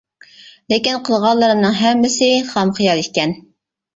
لېكىن قىلغانلىرىمنىڭ ھەممىسى خام خىيال ئىكەن.